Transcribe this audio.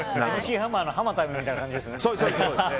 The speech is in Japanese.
Ｍ．Ｃ．ハマーのハマタイムみたいな感じですね。